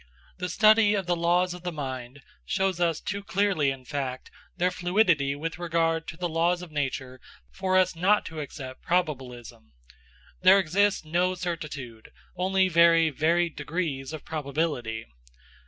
The study of the laws of the mind shows us too clearly, in fact, their fluidity with regard to the laws of nature for us not to accept probabilism. There exists no certitude only very varied degrees of probability.